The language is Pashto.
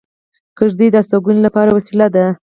کېږدۍ د استوګنې لپاره وسیله ده